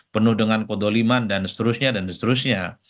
penuh dengan kodoliman dan seterusnya dan seterusnya